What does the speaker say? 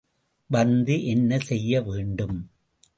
வந்து, என்ன செய்ய வேண்டும்?